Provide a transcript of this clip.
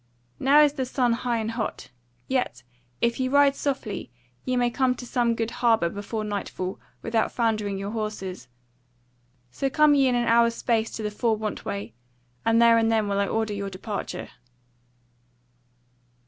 now is the sun high and hot; yet if ye ride softly ye may come to some good harbour before nightfall without foundering your horses. So come ye in an hour's space to the Four want way, and there and then will I order your departure."